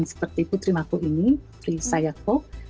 bukan seperti putri mako ini prisayako